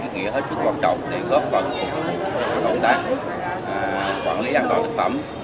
nghĩa hết sức quan trọng để góp phần cho công tác quản lý an toàn thực phẩm